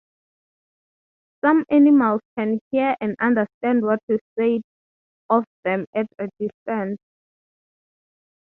Some animals can hear and understand what is said of them at a distance.